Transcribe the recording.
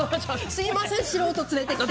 すいません、素人連れてきて。